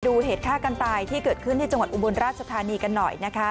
เหตุฆ่ากันตายที่เกิดขึ้นที่จังหวัดอุบลราชธานีกันหน่อยนะคะ